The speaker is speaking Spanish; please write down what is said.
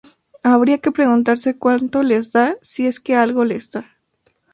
habría que preguntarse cuánto les da si es que algo les da